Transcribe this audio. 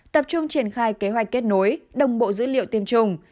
tập trung triển khai kế hoạch kết nối đồng bộ dữ liệu tiêm chủng